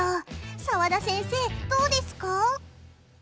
澤田先生、どうですか？